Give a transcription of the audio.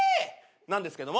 なんですけども。